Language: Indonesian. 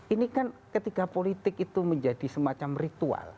ini kan ketika politik itu menjadi semacam ritual